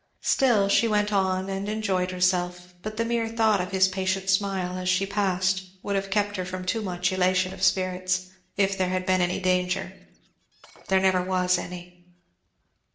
Still she went on and enjoyed herself; but the mere thought of his patient smile as she passed would have kept her from too much elation of spirits, if there had been any danger. There never was any.